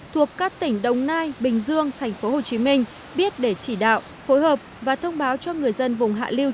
thuộc các tỉnh đồng nai bình dương thành phố hồ chí minh biết để chỉ đạo phối hợp và thông báo cho người dân vùng hạ lưu